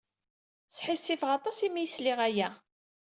Sḥissifeɣ aṭas imi ay sliɣ aya.